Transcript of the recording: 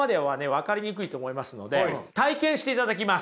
分かりにくいと思いますので体験していただきます。